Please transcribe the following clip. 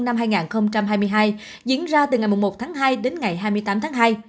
năm hai nghìn hai mươi hai diễn ra từ ngày một tháng hai đến ngày hai mươi tám tháng hai